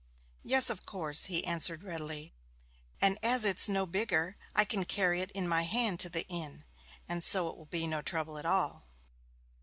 'Yes, of course,' he answered readily. 'And as it's no bigger, I can carry it in my hand to the inn, and so it will be no trouble at all.'